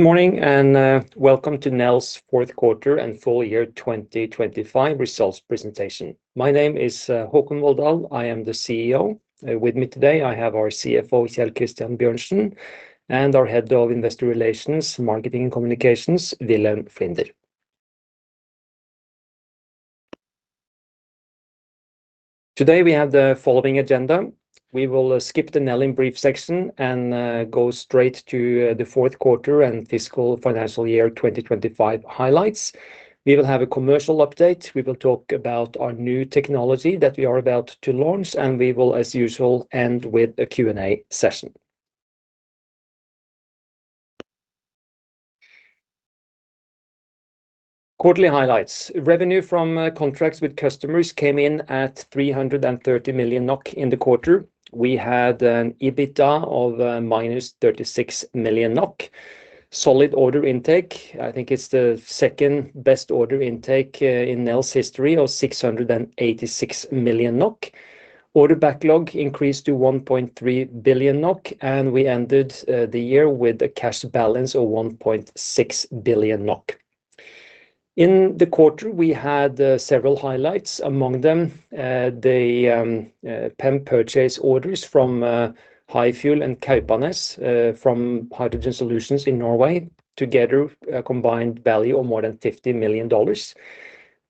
Good morning, welcome to Nel's fourth quarter and full year 2025 results presentation. My name is Håkon Volldal. I am the CEO. With me today, I have our CFO, Kjell Christian Bjørnsen, and our Head of Investor Relations, Marketing and Communications, Wilhelm Flinder. Today, we have the following agenda. We will skip the Nel in Brief section, go straight to the fourth quarter and fiscal financial year 2025 highlights. We will have a commercial update. We will talk about our new technology that we are about to launch, and we will, as usual, end with a Q&A session. Quarterly highlights. Revenue from contracts with customers came in at 330 million NOK in the quarter. We had an EBITDA of minus 36 million NOK. Solid order intake, I think it's the second-best order intake in Nel's history, of 686 million NOK. Order backlog increased to 1.3 billion NOK, we ended the year with a cash balance of 1.6 billion NOK. In the quarter, we had several highlights, among them, the PEM purchase orders from HyFuel and Kaupanes, from Hydrogen Solutions in Norway, together a combined value of more than $50 million.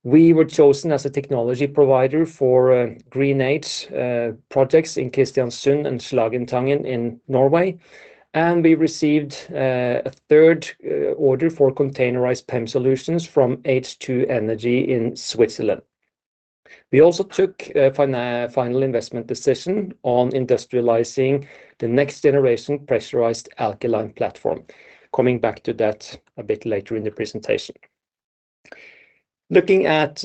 We were chosen as a technology provider for GreenH projects in Kristiansund and Slagentangen in Norway, we received a third order for containerized PEM solutions from H2 Energy in Switzerland. We also took final investment decision on industrializing the next-generation pressurized alkaline platform. Coming back to that a bit later in the presentation. Looking at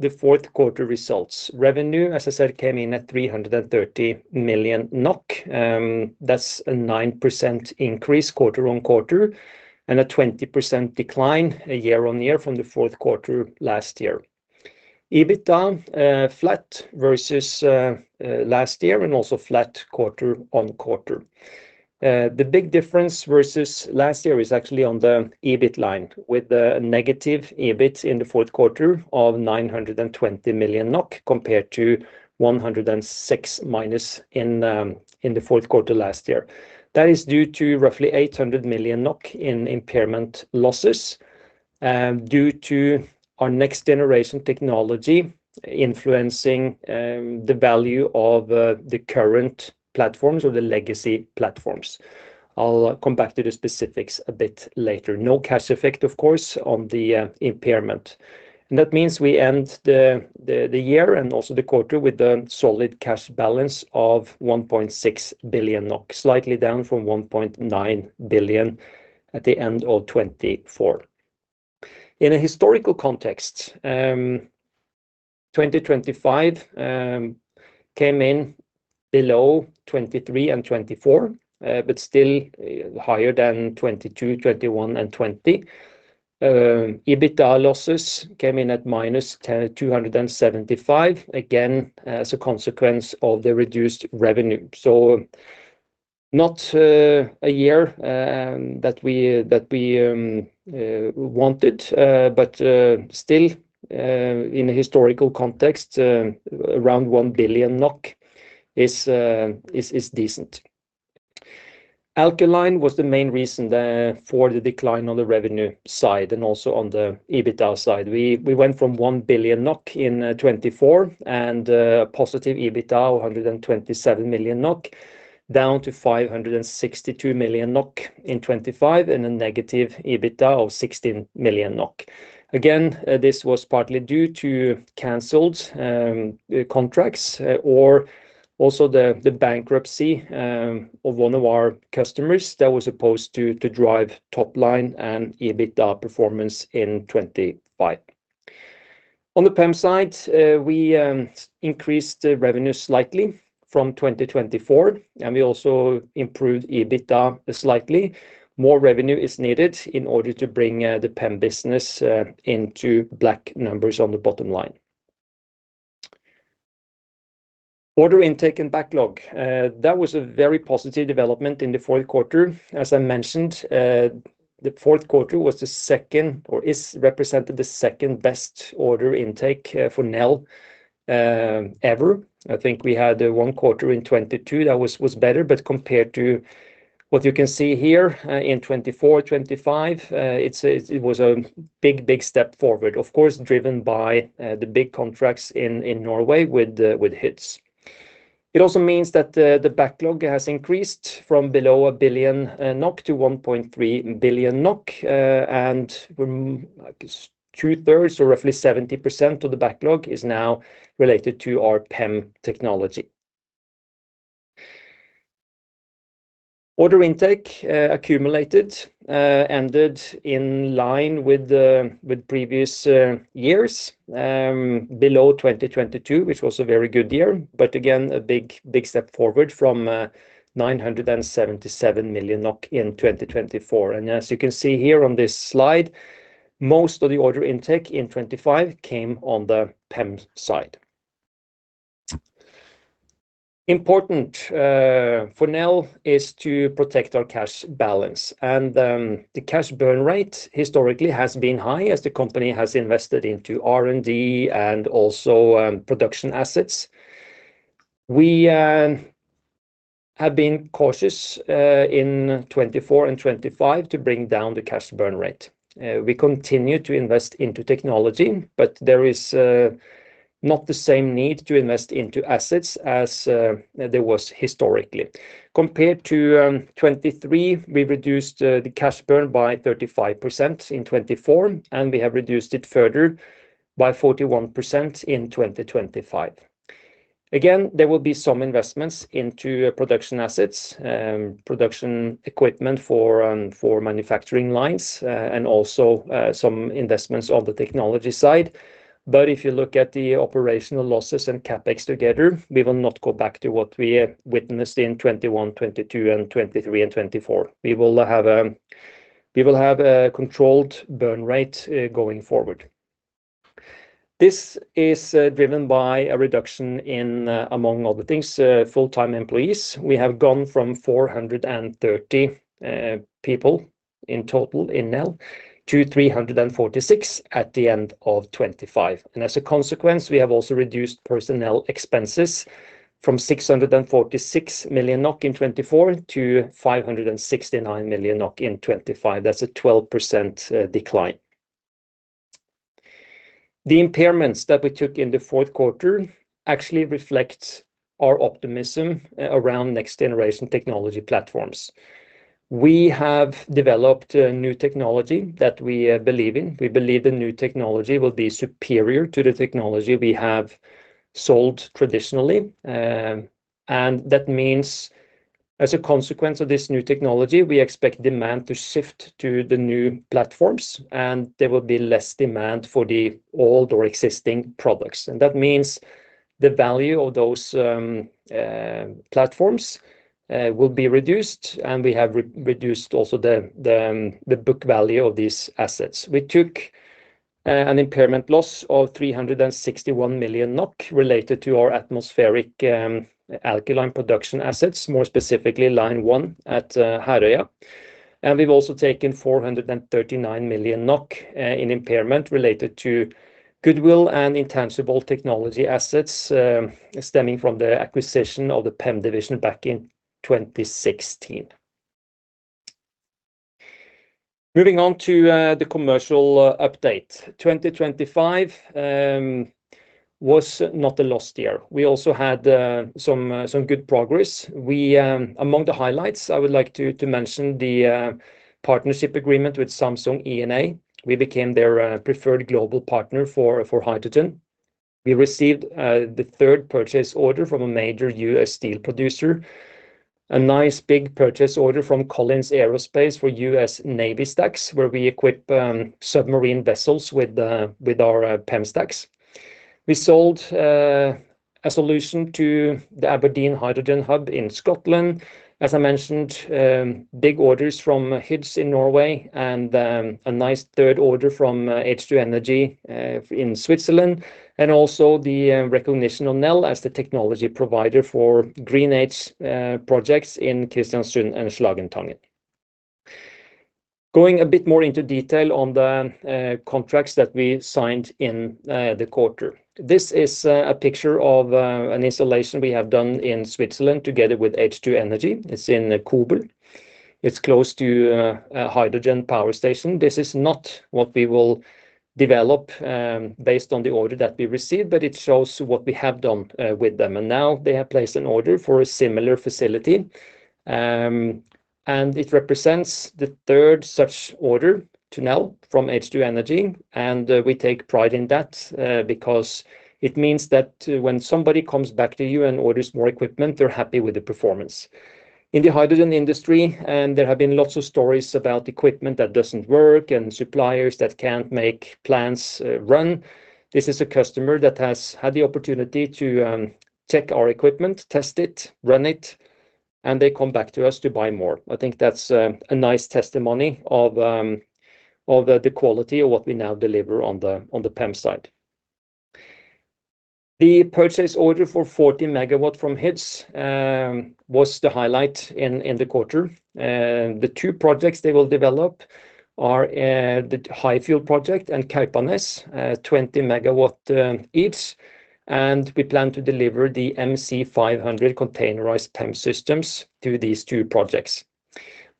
the fourth quarter results, revenue, as I said, came in at 330 million NOK. That's a 9% increase quarter-on-quarter and a 20% decline year-on-year from the fourth quarter last year. EBITDA flat versus last year and also flat quarter-on-quarter. The big difference versus last year is actually on the EBIT line, with a negative EBIT in the fourth quarter of 920 million NOK, compared to 106 minus in the fourth quarter last year. That is due to roughly 800 million NOK in impairment losses due to our next-generation technology influencing the value of the current platforms or the legacy platforms. I'll come back to the specifics a bit later. No cash effect, of course, on the impairment. That means we end the year and also the quarter with a solid cash balance of 1.6 billion NOK, slightly down from 1.9 billion at the end of 2024. In a historical context, 2025 came in below 2023 and 2024, but still higher than 2022, 2021, and 2020. EBITDA losses came in at -10,275, again, as a consequence of the reduced revenue. Not a year that we wanted, but still in a historical context, around 1 billion NOK is decent. alkaline was the main reason for the decline on the revenue side and also on the EBITDA side. We went from 1 billion NOK in 2024, and positive EBITDA of 127 million NOK, down to 562 million NOK in 2025, and a negative EBITDA of 16 million NOK. This was partly due to canceled contracts, or also the bankruptcy of one of our customers that was supposed to drive top line and EBITDA performance in 2025. On the PEM side, we increased the revenue slightly from 2024, and we also improved EBITDA slightly. More revenue is needed in order to bring the PEM business into black numbers on the bottom line. Order intake and backlog. That was a very positive development in the fourth quarter. As I mentioned, the fourth quarter was the second or is represented the second-best order intake for Nel ever. I think we had one quarter in 2022 that was better. Compared to what you can see here in 2024, 2025, it was a big step forward, of course, driven by the big contracts in Norway with HYDS. It also means that the backlog has increased from below 1 billion NOK to 1.3 billion NOK, and like 2/3, or roughly 70% of the backlog is now related to our PEM technology. Order intake, accumulated, ended in line with previous years, below 2022, which was a very good year. Again, a big, big step forward from 977 million NOK in 2024. As you can see here on this slide, most of the order intake in 25 came on the PEM side. Important for Nel is to protect our cash balance. The cash burn rate historically has been high as the company has invested into R&D and also production assets. We have been cautious in 2024 and 2025 to bring down the cash burn rate. We continue to invest into technology, there is not the same need to invest into assets as there was historically. Compared to 2023, we reduced the cash burn by 35% in 2024, and we have reduced it further by 41% in 2025. Again, there will be some investments into production assets, production equipment for manufacturing lines, and also some investments on the technology side. If you look at the operational losses and CapEx together, we will not go back to what we witnessed in 2021, 2022, 2023 and 2024. We will have a controlled burn rate going forward. This is driven by a reduction in, among other things, full-time employees. We have gone from 430 people in total in Nel to 346 at the end of 2025. As a consequence, we have also reduced personnel expenses from 646 million NOK in 2024 to 569 million NOK in 2025. That's a 12% decline. The impairments that we took in the fourth quarter actually reflect our optimism around next-generation technology platforms. We have developed a new technology that we believe in. We believe the new technology will be superior to the technology we have sold traditionally. That means as a consequence of this new technology, we expect demand to shift to the new platforms, and there will be less demand for the old or existing products. That means the value of those platforms will be reduced, and we have reduced also the book value of these assets. We took an impairment loss of 361 million NOK related to our atmospheric alkaline production assets, more specifically line 1 at Herøya. We've also taken 439 million NOK in impairment related to goodwill and intangible technology assets stemming from the acquisition of the PEM division back in 2016. Moving on to the commercial update. 2025 was not a lost year. We also had some good progress. We among the highlights, I would like to mention the partnership agreement with Samsung E&A. We became their preferred global partner for hydrogen. We received the 3rd purchase order from a major U.S. steel producer, a nice big purchase order from Collins Aerospace for US Navy stacks, where we equip submarine vessels with our PEM stacks. We sold a solution to the Aberdeen Hydrogen Hub in Scotland. As I mentioned, big orders from HYDS in Norway and a nice 3rd order from H2 Energy in Switzerland, and also the recognition of Nel as the technology provider for GreenH projects in Kristiansund and Slagentangen. Going a bit more into detail on the contracts that we signed in the quarter. This is a picture of an installation we have done in Switzerland together with H2 Energy. It's in Koblenz. It's close to a hydrogen power station. This is not what we will develop, based on the order that we received, but it shows what we have done with them. Now they have placed an order for a similar facility, and it represents the third such order to Nel from H2 Energy, and we take pride in that, because it means that when somebody comes back to you and orders more equipment, they're happy with the performance. In the hydrogen industry, and there have been lots of stories about equipment that doesn't work and suppliers that can't make plants run. This is a customer that has had the opportunity to check our equipment, test it, run it, and they come back to us to buy more. I think that's a nice testimony of the quality of what we now deliver on the PEM side. The purchase order for 40 MW from HYDS was the highlight in the quarter. The two projects they will develop are the HyFuel project and Kaupanes, 20 MW each, and we plan to deliver the MC500 containerized PEM systems to these two projects.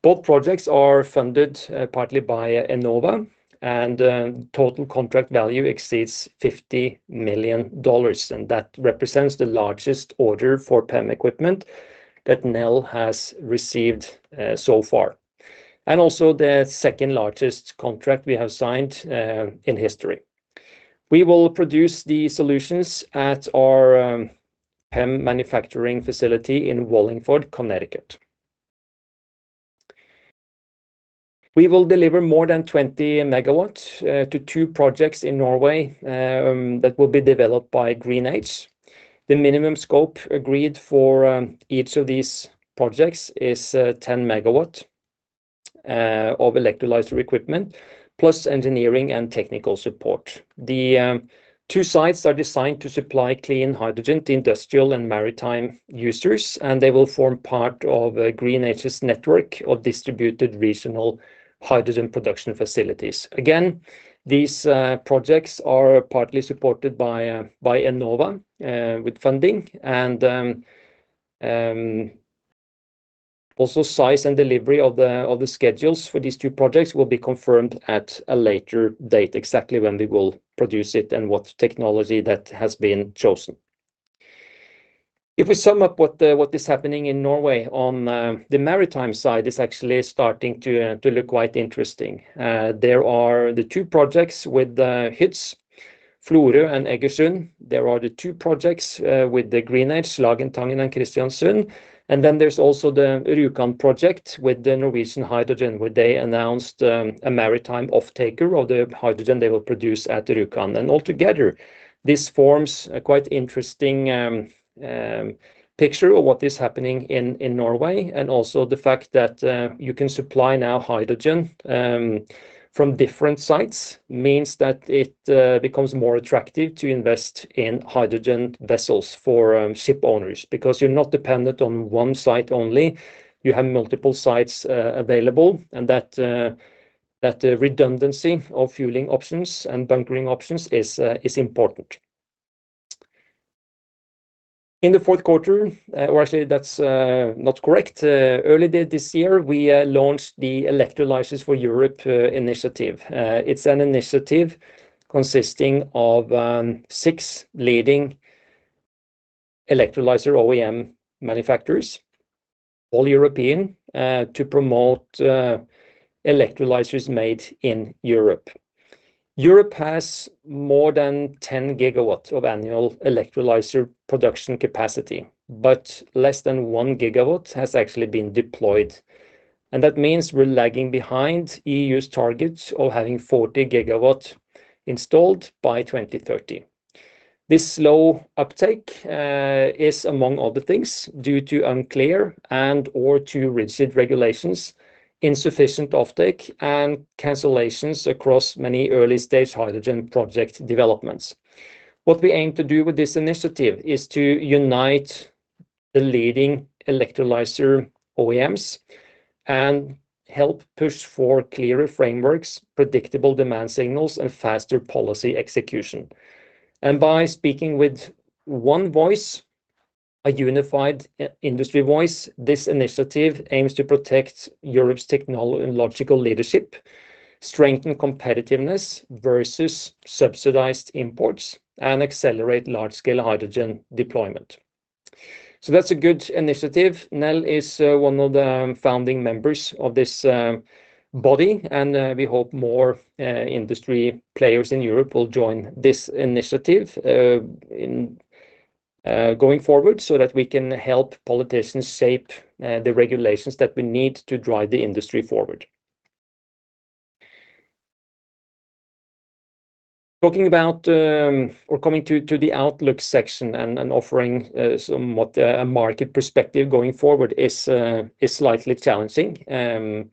Both projects are funded partly by Enova, and total contract value exceeds $50 million, and that represents the largest order for PEM equipment that Nel has received so far, and also the second largest contract we have signed in history. We will produce the solutions at our PEM manufacturing facility in Wallingford, Connecticut. We will deliver more than 20 MW to 2 projects in Norway that will be developed by GreenH. The minimum scope agreed for each of these projects is 10 MW of electrolyzer equipment, plus engineering and technical support. The 2 sites are designed to supply clean hydrogen to industrial and maritime users, and they will form part of a green HRS network of distributed regional hydrogen production facilities. These projects are partly supported by Enova with funding and also size and delivery of the schedules for these 2 projects will be confirmed at a later date, exactly when we will produce it and what technology that has been chosen. If we sum up what is happening in Norway on the maritime side, is actually starting to look quite interesting. There are the two projects with the HYDS, Florø and Egersund. There are the 2 projects with the GreenH, Slagentangen and Kristiansund. There's also the Rjukan project with the Norwegian Hydrogen, where they announced a maritime off taker of the hydrogen they will produce at Rjukan. Altogether, this forms a quite interesting picture of what is happening in Norway. The fact that you can supply now hydrogen from different sites, means that it becomes more attractive to invest in hydrogen vessels for ship owners. You're not dependent on one site only, you have multiple sites available, and that redundancy of fueling options and bunkering options is important. In the 4th quarter, or actually, that's not correct. Early this year, we launched the Electrolyzers for Europe initiative. It's an initiative consisting of six leading electrolyzer OEM manufacturers, all European, to promote electrolyzers made in Europe. Europe has more than 10 gigawatts of annual electrolyzer production capacity, but less than one gigawatt has actually been deployed. That means we're lagging behind EU's targets of having 40 gigawatts installed by 2030. This slow uptake is, among other things, due to unclear and/or too rigid regulations, insufficient offtake, and cancellations across many early-stage hydrogen project developments. What we aim to do with this initiative is to unite the leading electrolyzer OEMs and help push for clearer frameworks, predictable demand signals, and faster policy execution. By speaking with one voice, a unified industry voice, this initiative aims to protect Europe's technological leadership, strengthen competitiveness versus subsidized imports, and accelerate large-scale hydrogen deployment. That's a good initiative. Nel is one of the founding members of this body, and we hope more industry players in Europe will join this initiative going forward, so that we can help politicians shape the regulations that we need to drive the industry forward. Talking about, or coming to the outlook section and offering somewhat a market perspective going forward is slightly challenging.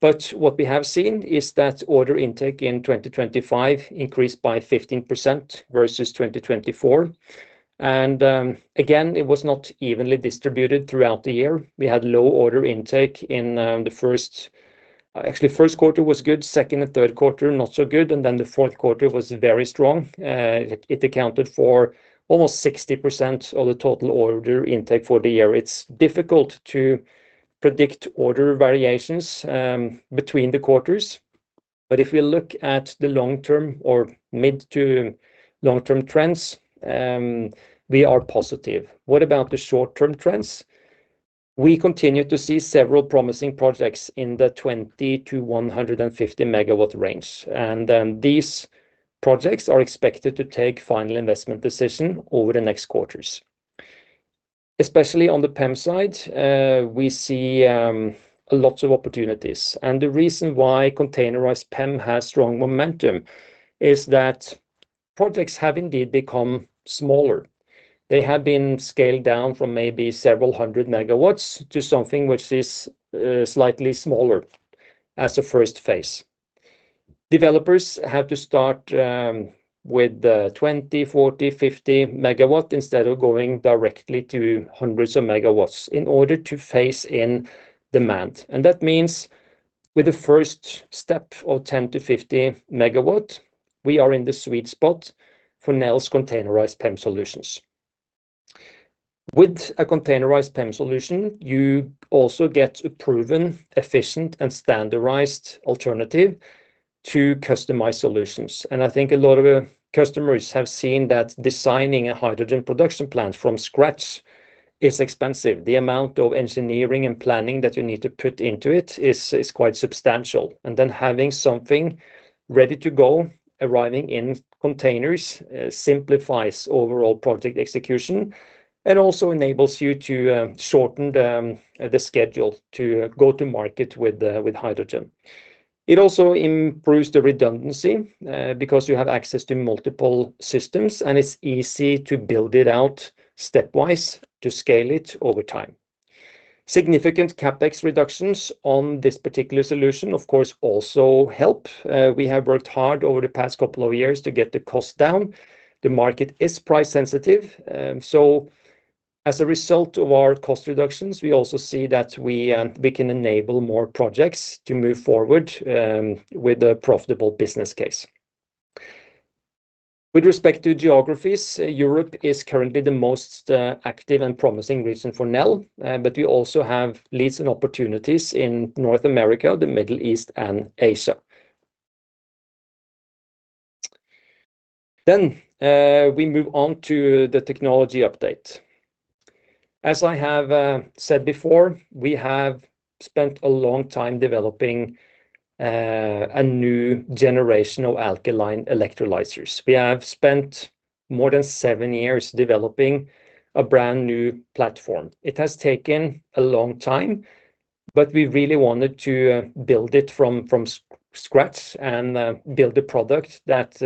What we have seen is that order intake in 2025 increased by 15% versus 2024. Again, it was not evenly distributed throughout the year. We had low order intake in, actually, first quarter was good, second and third quarter, not so good, and then the fourth quarter was very strong. It accounted for almost 60% of the total order intake for the year. It's difficult to predict order variations between the quarters, but if we look at the long term or mid to long-term trends, we are positive. What about the short-term trends? We continue to see several promising projects in the 20-150 Koblenz range, and then these projects are expected to take final investment decision over the next quarters. Especially on the PEM side, we see a lot of opportunities. The reason why containerized PEM has strong momentum is that projects have indeed become smaller. They have been scaled down from maybe several hundred megawatts to something which is slightly smaller as a first phase. Developers have to start with 20, 40, 50 megawatt instead of going directly to hundreds of megawatts in order to phase in demand. That means with the first step of 10-50 megawatt, we are in the sweet spot for Nel's containerized PEM solutions. With a containerized PEM solution, you also get a proven, efficient, and standardized alternative to customized solutions. I think a lot of our customers have seen that designing a hydrogen production plant from scratch is expensive. The amount of engineering and planning that you need to put into it is quite substantial. Having something ready to go, arriving in containers, simplifies overall project execution and also enables you to shorten the schedule to go to market with the hydrogen. It also improves the redundancy, because you have access to multiple systems, and it's easy to build it out stepwise to scale it over time. Significant CapEx reductions on this particular solution, of course, also help. We have worked hard over the past couple of years to get the cost down. The market is price-sensitive, so as a result of our cost reductions, we also see that we can enable more projects to move forward with a profitable business case. With respect to geographies, Europe is currently the most active and promising region for Nel, but we also have leads and opportunities in North America, the Middle East, and Asia. We move on to the technology update. As I have said before, we have spent a long time developing a new generation of alkaline electrolyzers. We have spent more than seven years developing a brand-new platform. It has taken a long time, but we really wanted to build it from scratch and build a product that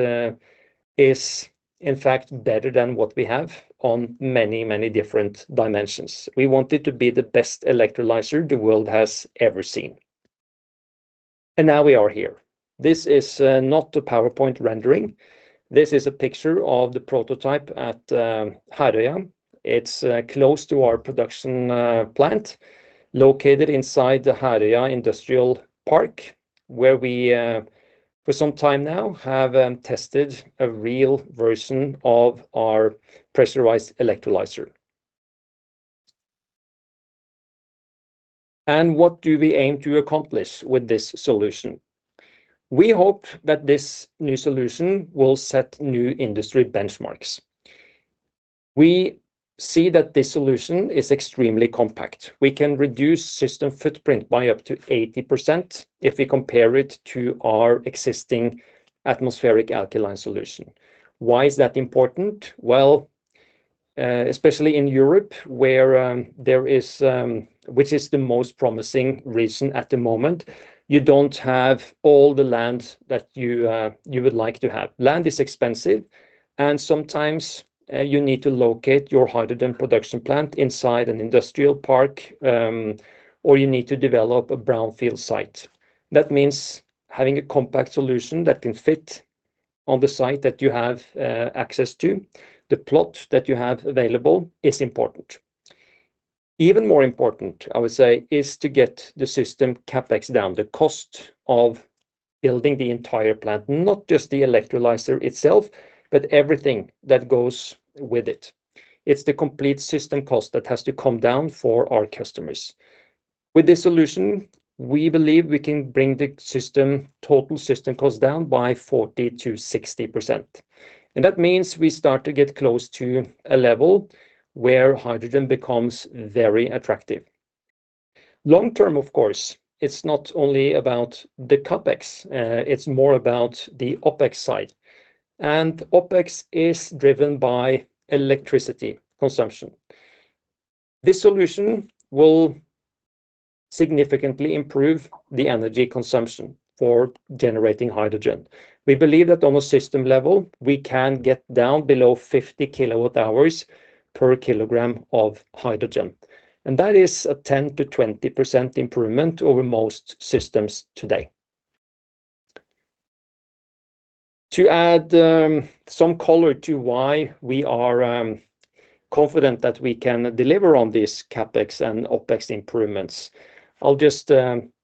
is, in fact, better than what we have on many different dimensions. We want it to be the best electrolyzer the world has ever seen, and now we are here. This is not a PowerPoint rendering. This is a picture of the prototype at Herøya. It's close to our production plant, located inside the Herøya Industrial Park, where we for some time now have tested a real version of our pressurized electrolyzer. What do we aim to accomplish with this solution? We hope that this new solution will set new industry benchmarks. We see that this solution is extremely compact. We can reduce system footprint by up to 80% if we compare it to our existing Atmospheric Alkaline solution. Why is that important? Well, especially in Europe, where there is which is the most promising region at the moment, you don't have all the land that you would like to have. Land is expensive, and sometimes you need to locate your hydrogen production plant inside an industrial park, or you need to develop a brownfield site. That means having a compact solution that can fit on the site that you have access to. The plot that you have available is important. Even more important, I would say, is to get the system CapEx down. The cost of building the entire plant, not just the electrolyzer itself, but everything that goes with it. It's the complete system cost that has to come down for our customers. With this solution, we believe we can bring the system, total system cost down by 40%-60%, and that means we start to get close to a level where hydrogen becomes very attractive. Long term, of course, it's not only about the CapEx, it's more about the OpEx side, and OpEx is driven by electricity consumption. This solution will significantly improve the energy consumption for generating hydrogen. We believe that on a system level, we can get down below 50 kWh per kilogram of hydrogen. That is a 10%-20% improvement over most systems today. To add some color to why we are confident that we can deliver on these CapEx and OpEx improvements, I'll just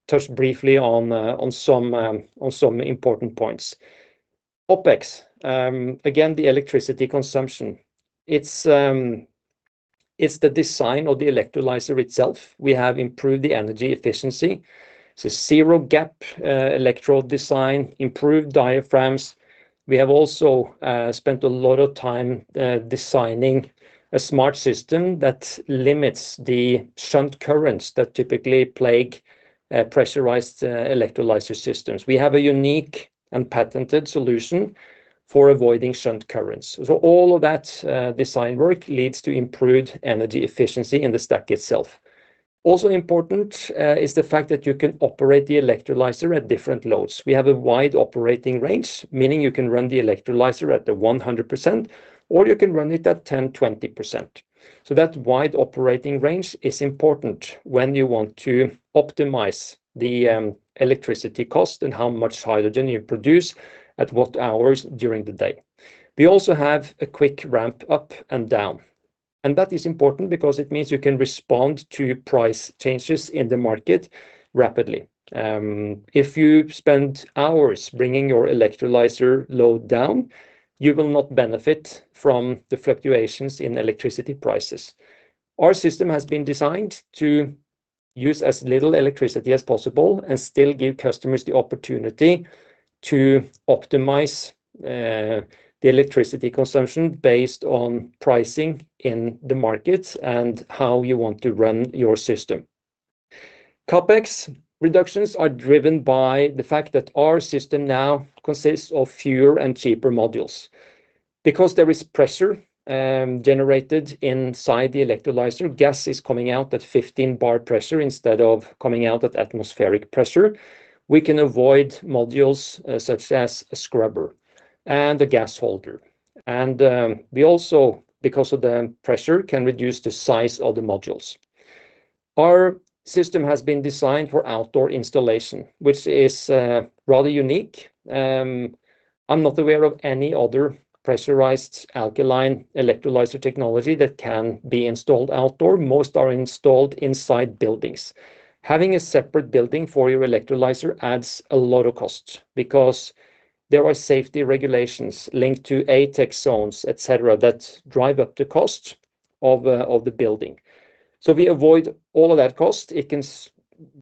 touch briefly on some important points. OpEx, again, the electricity consumption. It's the design of the electrolyzer itself. We have improved the energy efficiency, so zero-gap electrode design, improved diaphragms. We have also spent a lot of time designing a smart system that limits the shunt currents that typically plague pressurized electrolyzer systems. We have a unique and patented solution for avoiding shunt currents. All of that design work leads to improved energy efficiency in the stack itself. Also important is the fact that you can operate the electrolyzer at different loads. We have a wide operating range, meaning you can run the electrolyzer at the 100%, or you can run it at 10%, 20%. That wide operating range is important when you want to optimize the electricity cost and how much hydrogen you produce at what hours during the day. We also have a quick ramp up and down, and that is important because it means you can respond to price changes in the market rapidly. If you spend hours bringing your electrolyzer load down, you will not benefit from the fluctuations in electricity prices. Our system has been designed to use as little electricity as possible and still give customers the opportunity to optimize the electricity consumption based on pricing in the market and how you want to run your system. CapEx reductions are driven by the fact that our system now consists of fewer and cheaper modules. Because there is pressure generated inside the electrolyzer, gas is coming out at 15 bar pressure instead of coming out at atmospheric pressure, we can avoid modules such as a scrubber and a gas holder. We also, because of the pressure, can reduce the size of the modules. Our system has been designed for outdoor installation, which is rather unique. I'm not aware of any other pressurized alkaline electrolyzer technology that can be installed outdoor. Most are installed inside buildings. Having a separate building for your electrolyzer adds a lot of cost because there are safety regulations linked to ATEX zones, et cetera, that drive up the cost of the building. We avoid all of that cost. It can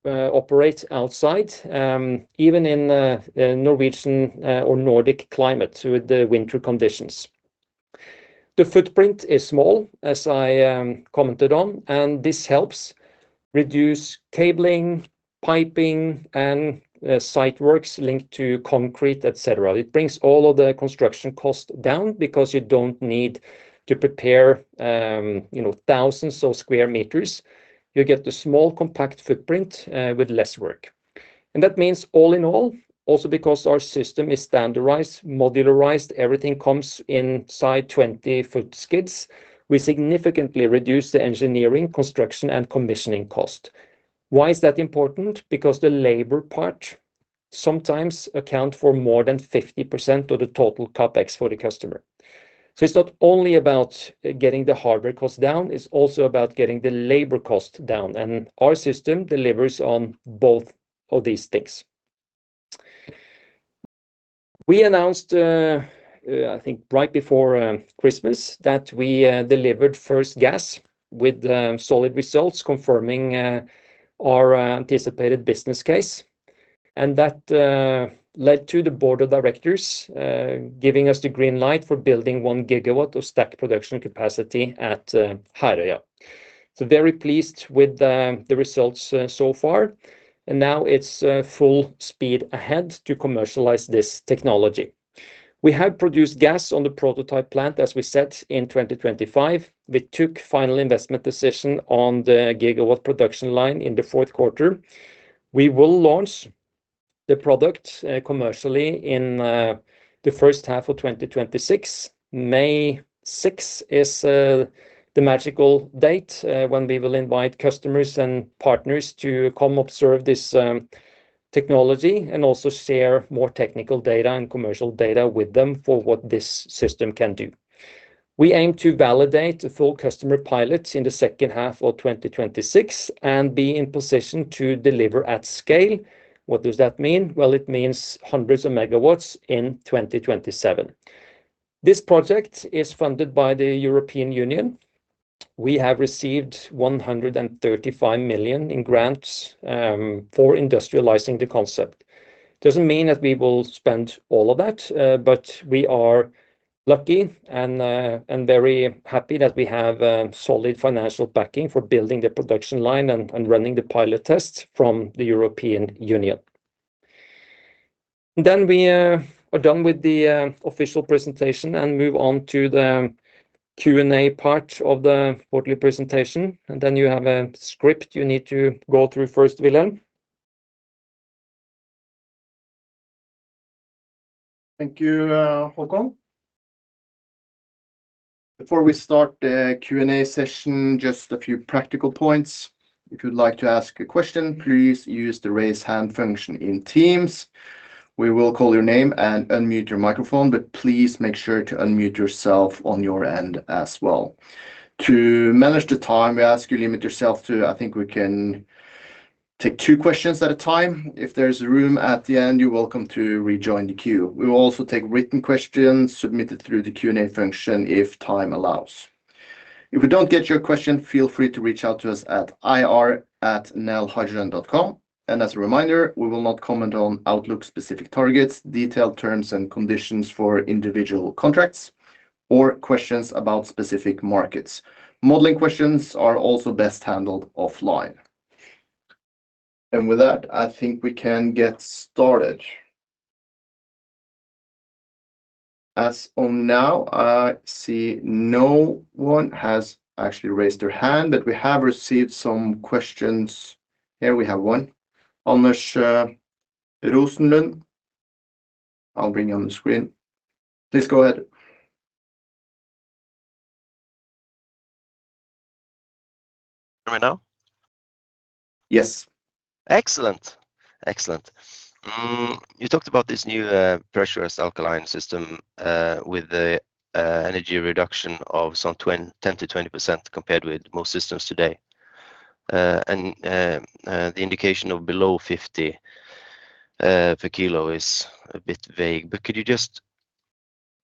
operate outside, even in the Norwegian or Nordic climate with the winter conditions. The footprint is small, as I commented on, and this helps reduce cabling, piping and site works linked to concrete, et cetera. It brings all of the construction costs down because you don't need to prepare, you know, thousands of square meters. You get the small, compact footprint with less work. That means all in all, also because our system is standardized, modularized, everything comes inside 20-foot skids, we significantly reduce the engineering, construction, and commissioning cost. Why is that important? The labor part sometimes account for more than 50% of the total CapEx for the customer. It's not only about getting the hardware cost down, it's also about getting the labor cost down. Our system delivers on both of these things. We announced, I think right before Christmas, that we delivered first gas with solid results confirming our anticipated business case. That led to the board of directors giving us the green light for building 1 gigawatt of stack production capacity at Herøya. Very pleased with the results so far. Now it's full speed ahead to commercialize this technology. We have produced gas on the prototype plant, as we said, in 2025. We took final investment decision on the gigawatt production line in the fourth quarter. We will launch the product commercially in the first half of 2026. May sixth is the magical date when we will invite customers and partners to come observe this technology and also share more technical data and commercial data with them for what this system can do. We aim to validate the full customer pilots in the second half of 2026 and be in position to deliver at scale. What does that mean? Well, it means hundreds of megawatts in 2027. This project is funded by the European Union. We have received 135 million in grants for industrializing the concept. Doesn't mean that we will spend all of that, but we are lucky and very happy that we have a solid financial backing for building the production line and running the pilot tests from the European Union. We are done with the official presentation and move on to the Q&A part of the quarterly presentation, and then you have a script you need to go through first, Wilhelm. Thank you, Håkon. Before we start the Q&A session, just a few practical points. If you'd like to ask a question, please use the Raise Hand function in Teams. We will call your name and unmute your microphone, but please make sure to unmute yourself on your end as well. To manage the time, we ask you limit yourself to, I think we can take two questions at a time. If there's room at the end, you're welcome to rejoin the queue. We will also take written questions submitted through the Q&A function if time allows. If we don't get your question, feel free to reach out to us at ir@nelhydrogen.com. As a reminder, we will not comment on outlook-specific targets, detailed terms and conditions for individual contracts, or questions about specific markets. Modeling questions are also best handled offline. With that, I think we can get started. As of now, I see no one has actually raised their hand, but we have received some questions. Here we have one. Anders Rosenlund, I'll bring you on the screen. Please go ahead. Hear me now? Yes. Excellent. Excellent. You talked about this new pressurized alkaline system, with the energy reduction of some 10%-20% compared with most systems today. The indication of below 50 per kilo is a bit vague, but could you just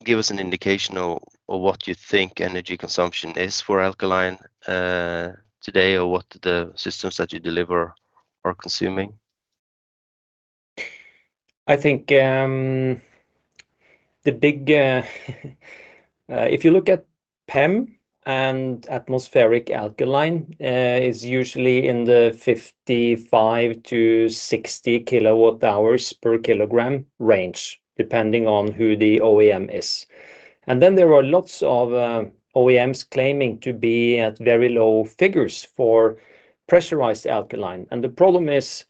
give us an indication of what you think energy consumption is for alkaline today, or what the systems that you deliver are consuming? I think, if you look at PEM and atmospheric alkaline, is usually in the 55-60 kWh/kg range, depending on who the OEM is. There are lots of OEMs claiming to be at very low figures for pressurized alkaline. The problem is,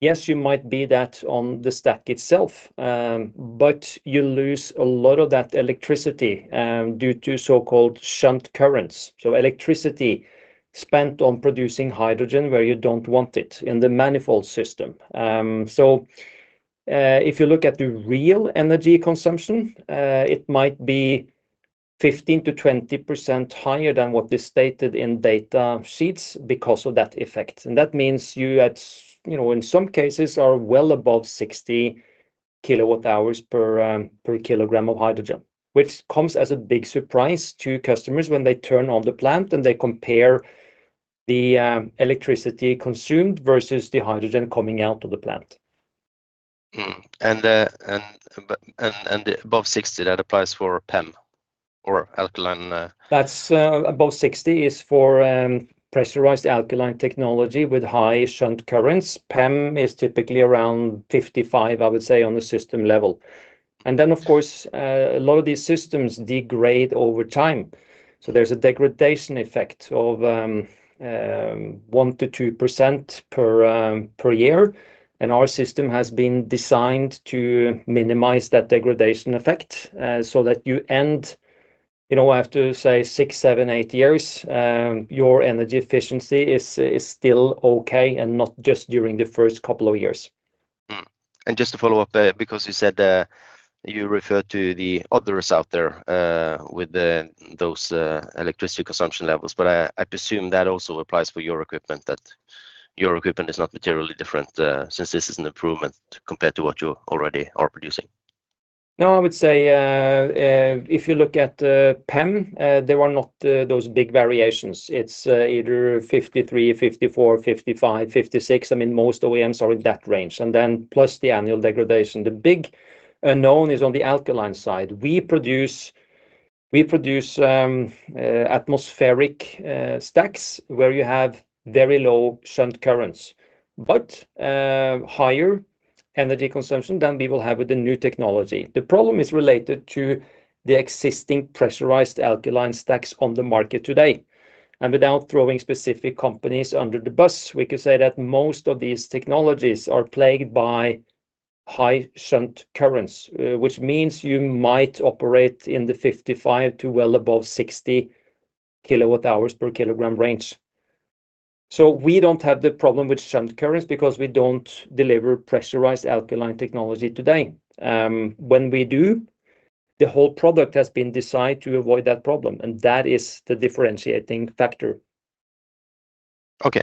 yes, you might be that on the stack itself, but you lose a lot of that electricity due to so-called shunt currents. Electricity spent on producing hydrogen where you don't want it in the manifold system. If you look at the real energy consumption, it might be 15%-20% higher than what is stated in data sheets because of that effect. That means you know, in some cases are well above 60 kWh per kg of hydrogen, which comes as a big surprise to customers when they turn on the plant and they compare the electricity consumed versus the hydrogen coming out of the plant. Above 60, that applies for PEM or alkaline. That's above 60 is for pressurized alkaline technology with high shunt currents. PEM is typically around 55, I would say, on the system level. Of course, a lot of these systems degrade over time. There's a degradation effect of 1%-2% per year, and our system has been designed to minimize that degradation effect so that you end, you know, after, say, 6, 7, 8 years, your energy efficiency is still okay and not just during the first couple of years. Just to follow up, because you said, you referred to the others out there, with those electricity consumption levels, but I presume that also applies for your equipment, that your equipment is not materially different, since this is an improvement compared to what you already are producing. No, I would say, if you look at PEM, there are not those big variations. It's either 53, 54, 55, 56. I mean, most OEMs are in that range, and then plus the annual degradation. The big unknown is on the alkaline side. We produce atmospheric stacks where you have very low shunt currents, but higher energy consumption than we will have with the new technology. The problem is related to the existing pressurized alkaline stacks on the market today. Without throwing specific companies under the bus, we can say that most of these technologies are plagued by high shunt currents, which means you might operate in the 55 kWh to well above 60 kWh per kilogram range. We don't have the problem with shunt currents because we don't deliver pressurized alkaline technology today. When we do, the whole product has been designed to avoid that problem, and that is the differentiating factor. Okay.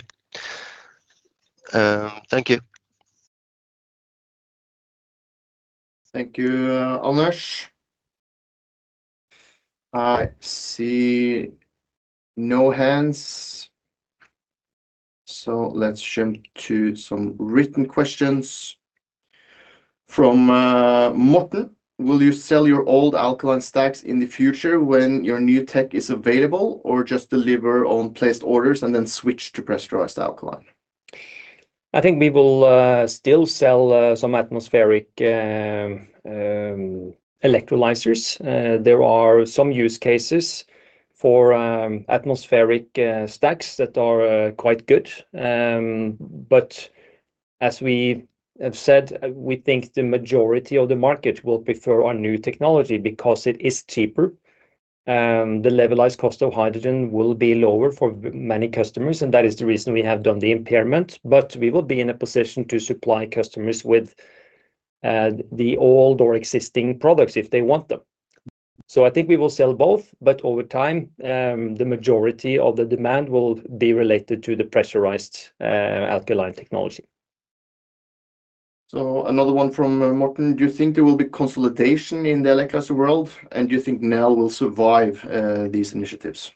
thank you. Thank you, Anders. I see no hands, so let's jump to some written questions. From, Martin, "Will you sell your old alkaline stacks in the future when your new tech is available, or just deliver on placed orders and then switch to pressurized alkaline? I think we will still sell some atmospheric electrolyzers. There are some use cases for atmospheric stacks that are quite good. As we have said, we think the majority of the market will prefer our new technology because it is cheaper. The levelized cost of hydrogen will be lower for many customers, and that is the reason we have done the impairment. We will be in a position to supply customers with the old or existing products if they want them. I think we will sell both, but over time, the majority of the demand will be related to the pressurized alkaline technology. Another one from Martin: "Do you think there will be consolidation in the electro world, and do you think Nel will survive these initiatives?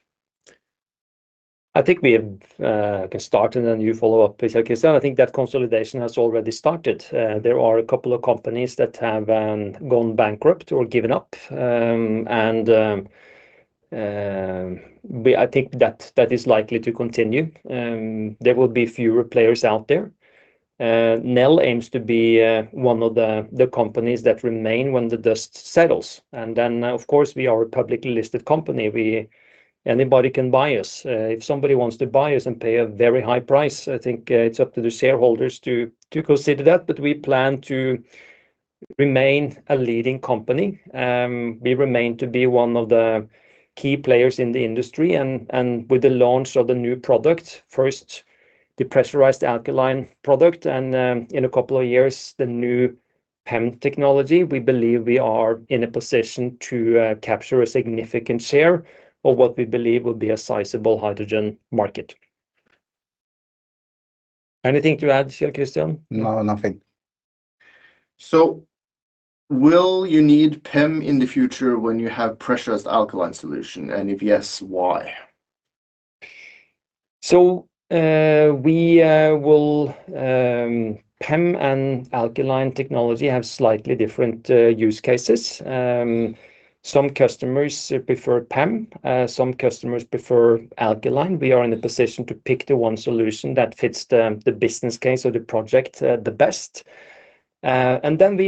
I think we can start and then you follow up, please, Kjell Christian. I think that consolidation has already started. There are a couple of companies that have gone bankrupt or given up. I think that that is likely to continue. There will be fewer players out there. Nel aims to be one of the companies that remain when the dust settles. Of course, we are a publicly listed company. We. Anybody can buy us. If somebody wants to buy us and pay a very high price, I think it's up to the shareholders to consider that. We plan to remain a leading company. We remain to be one of the key players in the industry, and with the launch of the new product, first, the pressurized alkaline product, and, in a couple of years, the new PEM technology, we believe we are in a position to capture a significant share of what we believe will be a sizable hydrogen market. Anything to add, Kjell Christian? No, nothing. Will you need PEM in the future when you have pressurized alkaline solution, and if yes, why? We will PEM and alkaline technology have slightly different use cases. Some customers prefer PEM, some customers prefer alkaline. We are in a position to pick the one solution that fits the business case or the project the best. We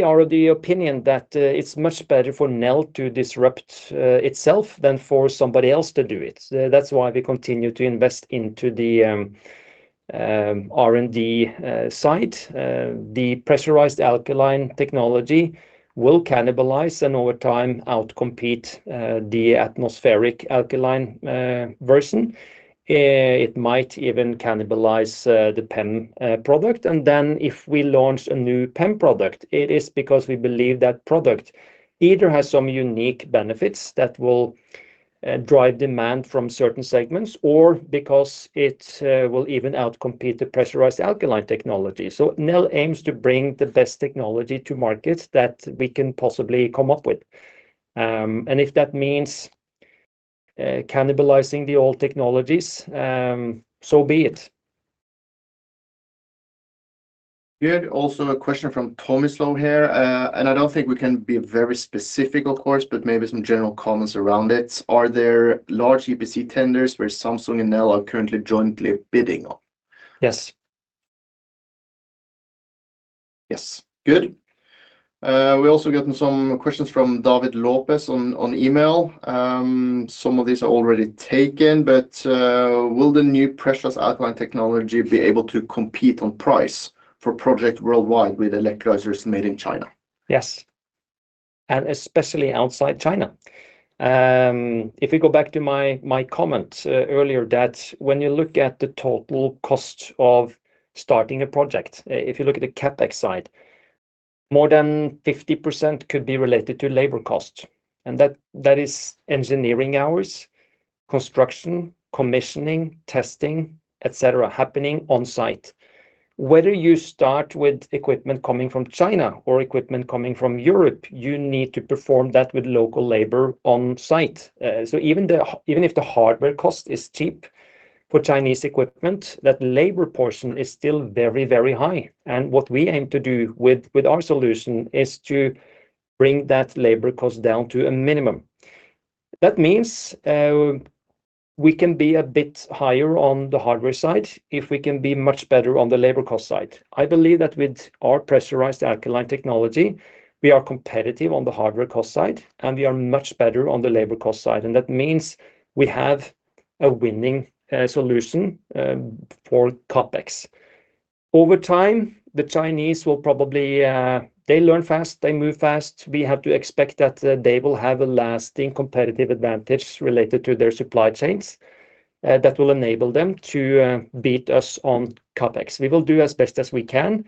are of the opinion that it's much better for Nel to disrupt itself than for somebody else to do it. That's why we continue to invest into the R&D side. The pressurized alkaline technology will cannibalize and over time, out-compete the atmospheric alkaline version. It might even cannibalize the PEM product. If we launch a new PEM product, it is because we believe that product either has some unique benefits that will drive demand from certain segments or because it will even out-compete the pressurized alkaline technology. Nel aims to bring the best technology to markets that we can possibly come up with. If that means cannibalizing the old technologies, so be it. We had also a question from Tomislav here. I don't think we can be very specific, of course, but maybe some general comments around it. Are there large EPC tenders where Samsung and Nel are currently jointly bidding on? Yes. Yes. Good. We also gotten some questions from David Lopez on email. Some of these are already taken, but will the new pressurized alkaline technology be able to compete on price for project worldwide with electrolyzers made in China? Yes, especially outside China. If we go back to my comment earlier, when you look at the total cost of starting a project, if you look at the CapEx side, more than 50% could be related to labor cost, and that is engineering hours, construction, commissioning, testing, et cetera, happening on site. Whether you start with equipment coming from China or equipment coming from Europe, you need to perform that with local labor on site. Even if the hardware cost is cheap for Chinese equipment, that labor portion is still very, very high. What we aim to do with our solution is to bring that labor cost down to a minimum. That means, we can be a bit higher on the hardware side if we can be much better on the labor cost side. I believe that with our pressurized alkaline technology, we are competitive on the hardware cost side. We are much better on the labor cost side. That means we have a winning solution for CapEx. Over time, the Chinese will probably, they learn fast, they move fast. We have to expect that they will have a lasting competitive advantage related to their supply chains that will enable them to beat us on CapEx. We will do as best as we can,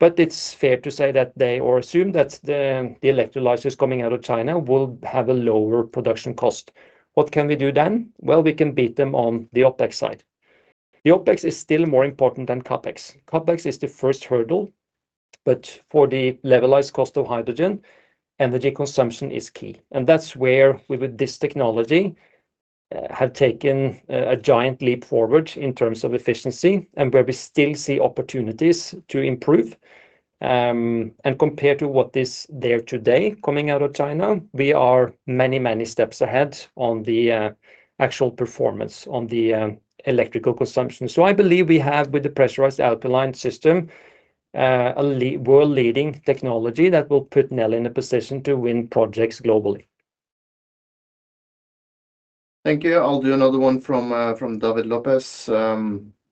but it's fair to say that they or assume that the electrolyzers coming out of China will have a lower production cost. What can we do? Well, we can beat them on the OpEx side. The OpEx is still more important than CapEx. CapEx is the first hurdle, but for the levelized cost of hydrogen, energy consumption is key. That's where we, with this technology, have taken a giant leap forward in terms of efficiency and where we still see opportunities to improve. Compared to what is there today, coming out of China, we are many, many steps ahead on the actual performance on the electrical consumption. I believe we have, with the pressurized alkaline system, a world-leading technology that will put Nel in a position to win projects globally. Thank you. I'll do another one from David Lopez.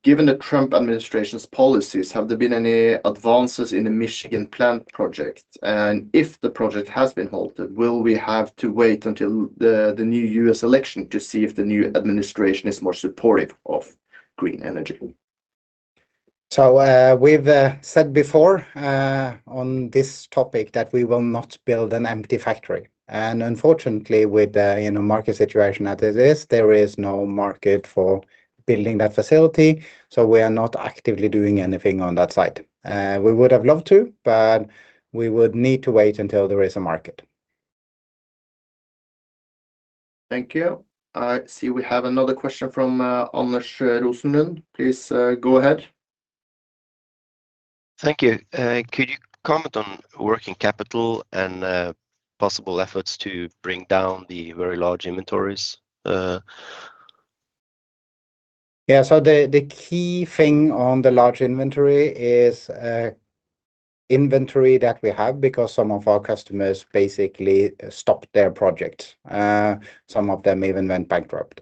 Given the Trump administration's policies, have there been any advances in the Michigan plant project? If the project has been halted, will we have to wait until the new U.S. election to see if the new administration is more supportive of green energy? We've said before on this topic that we will not build an empty factory. Unfortunately, with the, you know, market situation as it is, there is no market for building that facility, so we are not actively doing anything on that site. We would have loved to, but we would need to wait until there is a market. Thank you. I see we have another question from Anders Rosenlund. Please go ahead. Thank you. Could you comment on working capital and possible efforts to bring down the very large inventories? The key thing on the large inventory is inventory that we have because some of our customers basically stopped their project. Some of them even went bankrupt.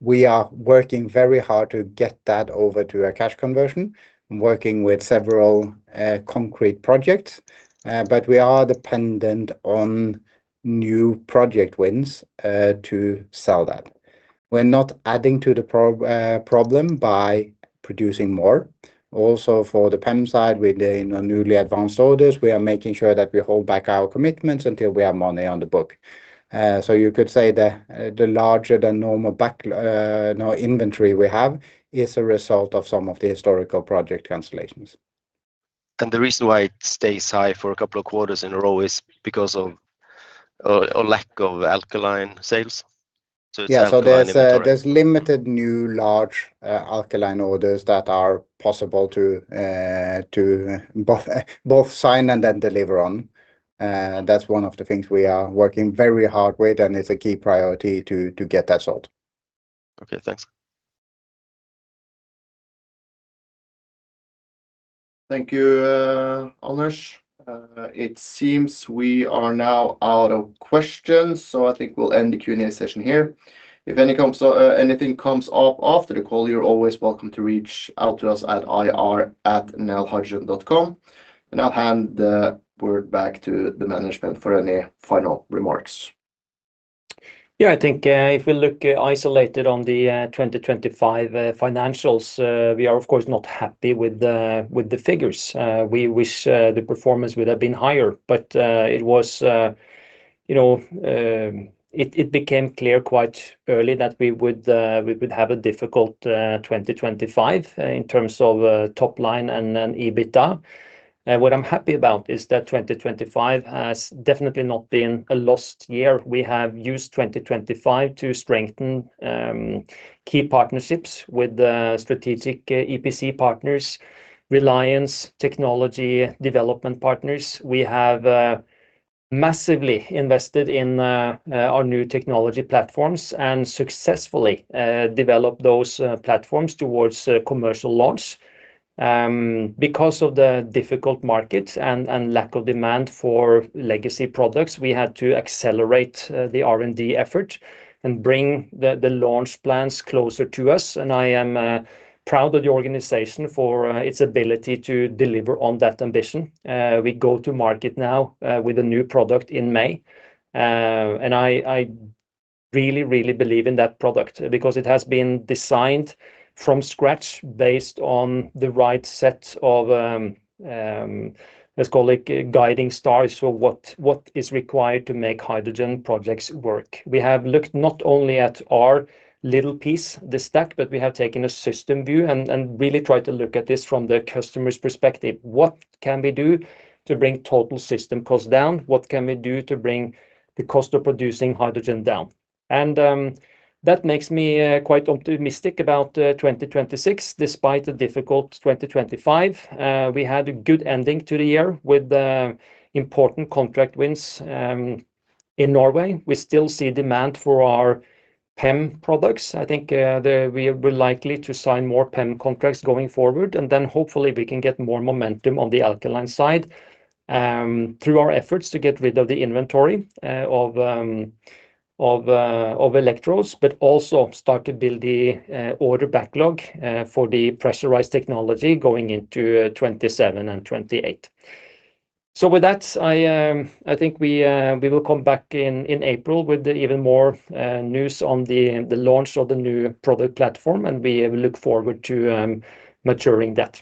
We are working very hard to get that over to a cash conversion and working with several concrete projects, but we are dependent on new project wins to sell that. We're not adding to the problem by producing more. Also for the PEM side, with the newly advanced orders, we are making sure that we hold back our commitments until we have money on the book. So you could say the larger than normal inventory we have is a result of some of the historical project cancellations. The reason why it stays high for a couple of quarters in a row is because of, or lack of alkaline sales? Yeah, there's limited new large, alkaline orders that are possible to both sign and then deliver on. That's one of the things we are working very hard with, and it's a key priority to get that solved. Okay, thanks. Thank you, Anders. It seems we are now out of questions, I think we'll end the Q&A session here. If anything comes up after the call, you're always welcome to reach out to us at ir@nelhydrogen.com, I'll hand the word back to the management for any final remarks. Yeah, I think, if we look isolated on the 2025 financials, we are of course not happy with the figures. We wish the performance would have been higher, but it was, you know, it became clear quite early that we would have a difficult 2025 in terms of top line and then EBITDA. What I'm happy about is that 2025 has definitely not been a lost year. We have used 2025 to strengthen key partnerships with the strategic EPC partners, Reliance, technology, development partners. We have massively invested in our new technology platforms and successfully developed those platforms towards commercial launch. Because of the difficult markets and lack of demand for legacy products, we had to accelerate the R&D effort and bring the launch plans closer to us, and I am proud of the organization for its ability to deliver on that ambition. We go to market now with a new product in May. I really believe in that product because it has been designed from scratch based on the right set of let's call it guiding stars for what is required to make hydrogen projects work. We have looked not only at our little piece, the stack, but we have taken a system view and really tried to look at this from the customer's perspective. What can we do to bring total system cost down? What can we do to bring the cost of producing hydrogen down? That makes me quite optimistic about 2026, despite a difficult 2025. We had a good ending to the year with the important contract wins in Norway. We still see demand for our PEM products. I think we are likely to sign more PEM contracts going forward, and then hopefully we can get more momentum on the alkaline side through our efforts to get rid of the inventory of electrodes, but also start to build the order backlog for the pressurized technology going into 27 and 28. With that, I think we will come back in April with even more, news on the launch of the new product platform, and we look forward to, maturing that.